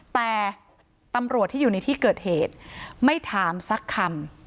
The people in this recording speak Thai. แต่ตำรวจที่อยู่ในที่เกิดเหตุไม่ถามสักคำ